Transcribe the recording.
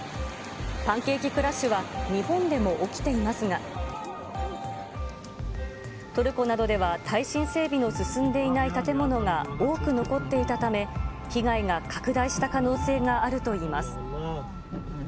パンケーキクラッシュは日本でも起きていますが、トルコなどでは、耐震整備の進んでいない建物が多く残っていたため、被害が拡大した可能性があるといいます。